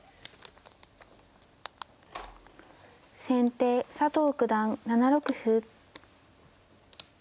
先手佐藤九段７六歩。